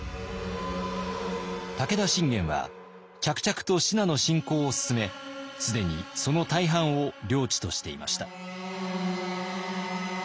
武田信玄は着々と信濃侵攻を進め既にその大半を領地としていました。